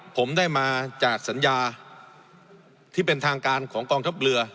ผมได้มาจากสัญญาที่เป็นทางการของกองทัพเรือ